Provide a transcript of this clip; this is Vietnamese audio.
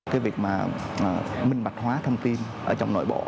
cái việc mà minh bạch hóa thông tin ở trong nội bộ